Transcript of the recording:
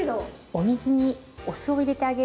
お水にお酢を入れてあげると。